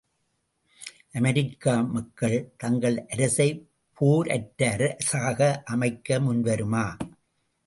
அமெரிக்க மக்கள் தங்கள் அரசைப் போர் அற்ற அரசாக அமைக்க முன்வருமா?